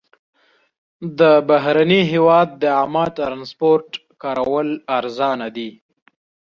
د بهرني هېواد د عامه ترانسپورټ کارول ارزانه دي.